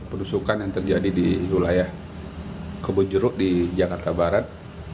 penusukan yang terjadi di wilayah kebun jeruk di jakarta barat